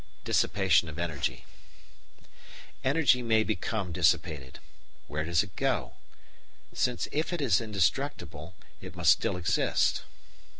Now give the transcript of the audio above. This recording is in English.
§ 14 Dissipation of Energy Energy may become dissipated. Where does it go? since if it is indestructible it must still exist.